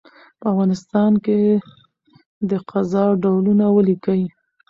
په افغانستان کي د قضاء ډولونه ولیکئ؟